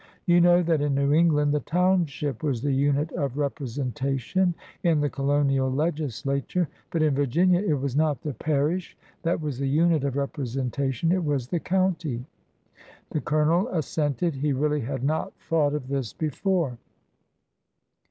You know that in New England the township was the unit of representation in the colonial legislature, but in Virginia it was not the parish that was the unit of representation, — it was the county." The Colonel assented. He really had not thought of this before.